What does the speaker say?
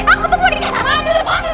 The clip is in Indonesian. aku mau nikah sama adik adik